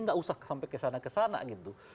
tidak usah sampai kesana kesana gitu